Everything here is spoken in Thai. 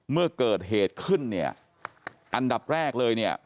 เมื่อเกิดเหตุขึ้นเนี่ยอันดับแรกเลยเนี่ย